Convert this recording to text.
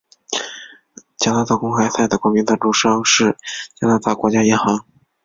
加拿大公开赛的冠名赞助商是加拿大皇家银行。